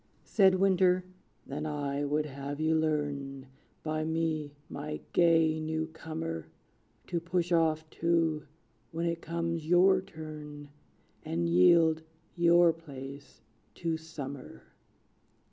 Said Winter, "Then I would have you learn, By me, my gay new comer, To push off too, when it comes your turn, And yield your place to Summer!"